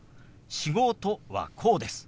「仕事」はこうです。